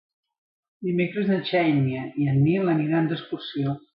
Dimecres na Xènia i en Nil aniran d'excursió.